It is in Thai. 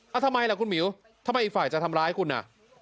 เอาทำไมล่ะคุณหมิวทำไมอีกฝ่ายจะทำร้ายคุณอ่ะ